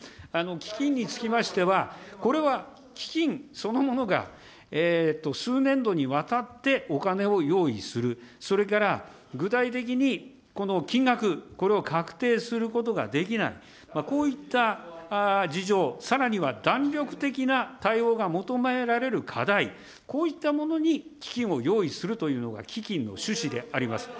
基金につきましては、これは基金そのものが数年度にわたってお金を用意する、それから具体的に金額、これを確定することができない、こういった事情、さらには弾力的な対応が求められる課題、こういったものに基金を用意するというのが基金の趣旨であります。